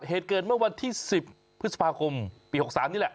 เหตุเกิดเมื่อวันที่๑๐พฤษภาคมปี๖๓นี่แหละ